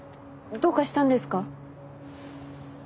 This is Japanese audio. どうかしたんですか？